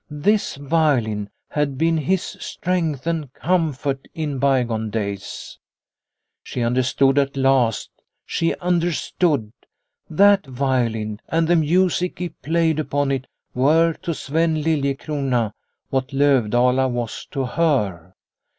This violin had been his strength and comfort in bygone days. She understood at last she understood. That 266 Liliecrona's Home violin and the music he played upon it were to Sven Liliecrona what Lovdala was to her.